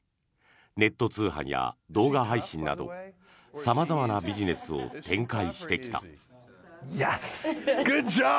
ネット通販や動画配信など様々なビジネスを展開してきた。